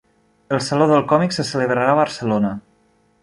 El Saló del Còmic se celebrarà a Barcelona.